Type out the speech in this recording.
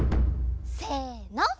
せの！